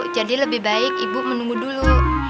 jadi lebih baik ibu menunggu dulu